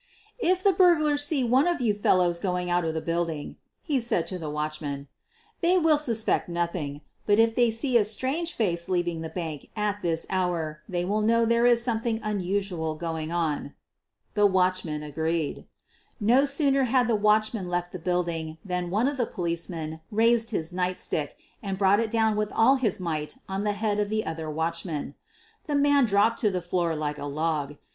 "If the burglars see one of you fellows going out of the building," he said to the watchmen, "they will suspect nothing, but if they see a strange face leaving the bank at this hour they will know there is something unusual going on." The watchmen agreed. No sooner had the watchman left the building than one of the policemen raised his nightstick and Drought it down with all his might on the head of the other watchman. The man dropped to the floor like a log.